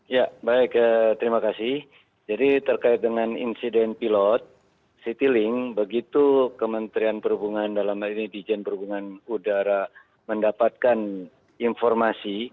ya baik terima kasih jadi terkait dengan insiden pilot citylink begitu kementerian perhubungan dalam hal ini dijen perhubungan udara mendapatkan informasi